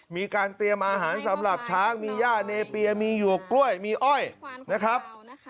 มีการเตรียมอาหารสำหรับช้างมีย่าเนเปียมีหยวกกล้วยมีอ้อยนะครับ